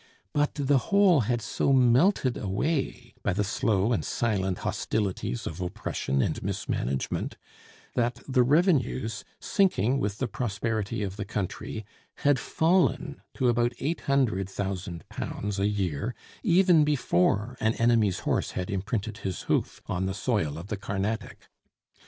But the whole had so melted away by the slow and silent hostilities of oppression and mismanagement, that the revenues, sinking with the prosperity of the country, had fallen to about £800,000 a year even before an enemy's horse had imprinted his hoof on the soil of the Carnatic.